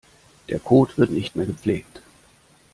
Der Code wird nicht mehr gepflegt.